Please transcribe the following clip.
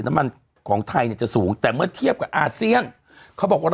โหวันนี้เรียกพี่เจี๊ยบ